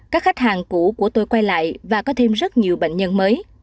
các khách hàng cũ của tôi quay lại và có thêm rất nhiều bệnh nhân mới